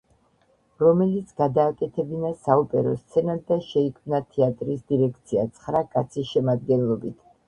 ომელიც გადააკეთებინა საოპერო სცენად და შეიქმნა თეატრის დირექცია ცხრა კაცის შემადგენლობით